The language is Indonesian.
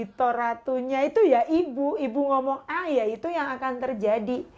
di to ratunya itu ya ibu ibu ngomong ayah itu yang akan terjadi